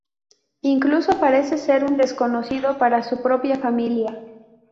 Incluso parece ser un desconocido para su propia familia.